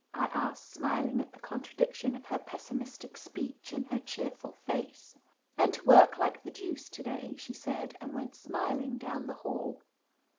I asked, smiling at the contradiction of her pessimistic speech and her cheerful face. "And to work like the deuce to day," she said, and went smiling down the hall.